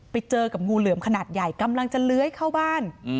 ไปเจอกับงูเหลือมขนาดใหญ่กำลังจะเลื้อยเข้าบ้าน